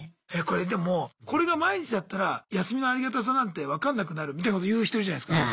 これでもこれが毎日だったら休みのありがたさなんて分かんなくなるみたいなこと言う人いるじゃないすか。